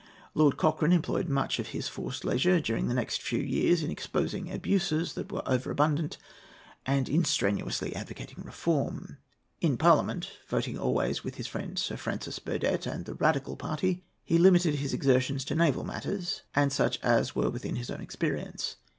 Lord Cochrane employed much of his forced leisure, during the next few years, in exposing abuses that were then over abundant, and in strenuously advocating reform. In Parliament, voting always with his friend Sir Francis Burdett and the Radical party, he limited his exertions to naval matters, and such as were within his own experience.